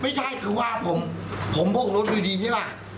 ไม่ใช่คือว่าผมโบกรถดูดีใช่ไหม